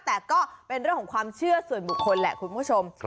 แต่ก็เป็นเรื่องของความเชื่อส่วนบุคคลแหละคุณผู้ชม